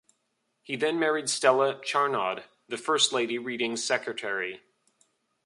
He then married Stella Charnaud, the first Lady Reading's secretary.